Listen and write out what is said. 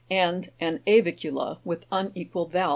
78), and an a'vicula with unequal valves, (Jig.